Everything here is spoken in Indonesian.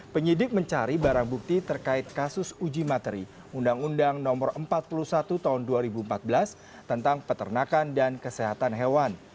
penyidik mencari barang bukti terkait kasus uji materi undang undang no empat puluh satu tahun dua ribu empat belas tentang peternakan dan kesehatan hewan